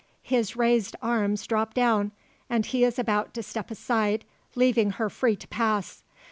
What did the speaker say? His raised arms drop down, and he is about to step aside, leaving her free to pass.